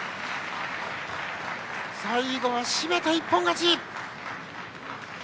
最後は締めた一本勝ち。